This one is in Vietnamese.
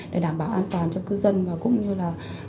để đảm bảo an toàn cho cư dân và cũng như là